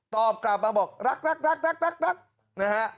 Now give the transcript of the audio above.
ตอบกลับมาบอกรักรักนะฮะ